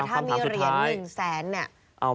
ถ้ามีเหรียญอยู่แสนนึงอ่ะ